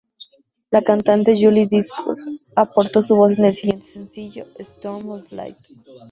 La cantante Julie Driscoll aportó su voz en el siguiente sencillo, "Storm of Light".